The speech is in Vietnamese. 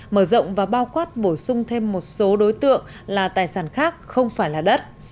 mở rộng và bao quát bổ sung thêm một số đối tượng là tài sản khác không phải là đất